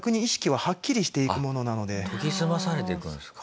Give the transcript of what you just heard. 研ぎ澄まされていくんですか。